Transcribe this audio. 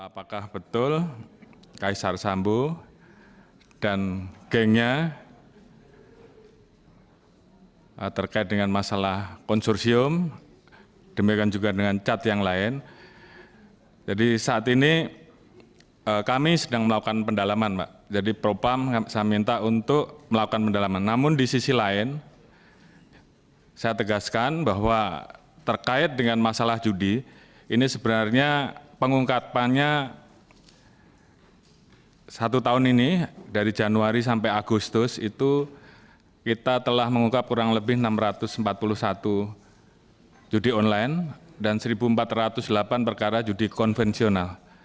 pemencatan di sisi lain saya tegaskan bahwa terkait dengan masalah judi ini sebenarnya pengungkapannya satu tahun ini dari januari sampai agustus itu kita telah mengungkap kurang lebih enam ratus empat puluh satu judi online dan satu empat ratus delapan perkara judi konvensional